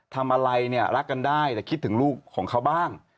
ทำอะไรเนี่ยรักกันได้แต่คิดถึงลูกของเขาบ้าง